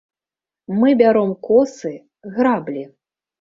Мы бяром косы, граблі.